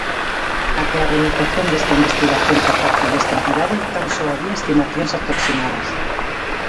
Até a realización desta investigación por parte desta entidade tan só había estimacións aproximadas.